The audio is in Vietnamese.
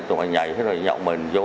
tôi phải nhảy hết rồi nhậu mình vô